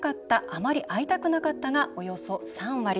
「あまり会いたくなかった」がおよそ３割。